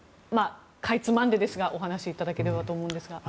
かいつまんでですがお話しいただければと思いますが。